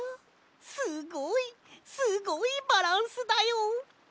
すごいすごいバランスだよ。